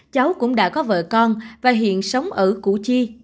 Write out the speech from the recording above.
cháu cũng đã có vợ con và hiện sống ở củ chi